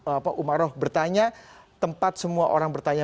apa umaroh bertanya tempat semua orang bertanya